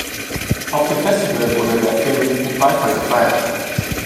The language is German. Auf dem Festival wurde der Film mit Beifall gefeiert.